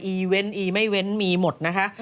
อีเว้นอีไม่เว้นมีหมดนะคะ